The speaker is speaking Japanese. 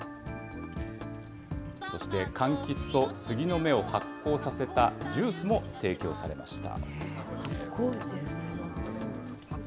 そしてかんきつとスギの芽を発酵させたジュースも提供されました。